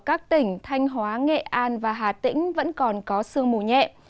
các tỉnh thanh hóa nghệ an và hà tĩnh vẫn còn có sương mù nhẹ